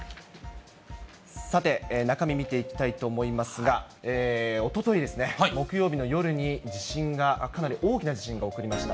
さて、中身見ていきたいと思いますが、おとといですね、木曜日の夜に地震が、かなり大きな地震が起こりました。